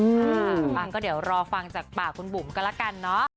อืมอ้างก็เดี๋ยวรอฟังจากป่าคุณบุ๋มก็ละกันเนาะ